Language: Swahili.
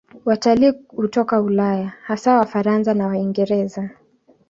Watalii hutoka Ulaya, hasa Wafaransa na Waingereza.